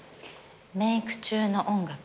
メーク中の音楽。